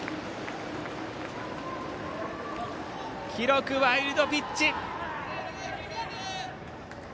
記録はワイルドピッチ。